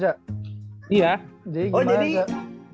jadi gimana tuh jack